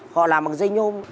họ làm bằng dây nhôm